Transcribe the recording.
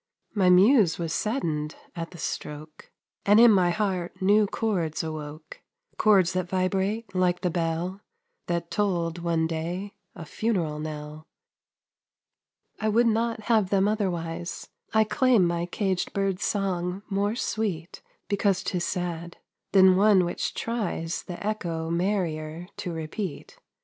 My muse was saddened at the stroke, And in my heart new chords awoke, Chords that vibrate like the bell That tolled one day a funeral knell. I would not have them otherwise; I claim my caged bird's song more sweet Because 'tis sad, than one which tries The echo merrier to repeat.